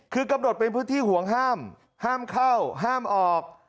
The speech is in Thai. คือกำหนดเป็นพื้นที่ห่วงห้ามห้ามเข้าห้ามออก